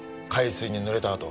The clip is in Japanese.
海水に濡れた